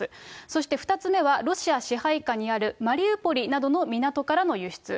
そして２つ目は、ロシア支配下にあるマリウポリなどの港からの輸出。